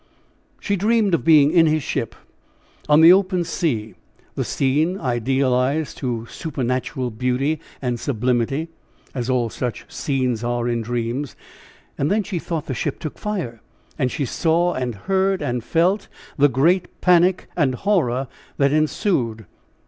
She dreamed of being in his ship on the open sea, the scene idealized to supernatural beauty and sublimity, as all such scenes are in dreams; and then she thought the ship took fire, and she saw, and heard, and felt the great panic and horror that ensued.